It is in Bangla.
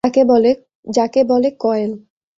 যাকে বলে কয়েল।